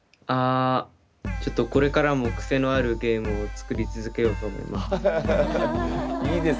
これからもクセのあるゲームを作り続けようと思います。